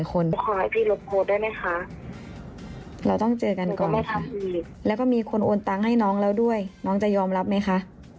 ก็ต้องเจอกันก่อนค่ะแล้วก็มีคนโอนตังให้น้องแล้วด้วยน้องจะยอมรับไหมคะ